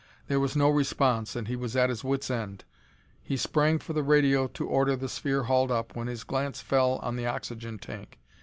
There was no response and he was at his wit's end. He sprang for the radio to order the sphere hauled up when his glance fell on the oxygen tank.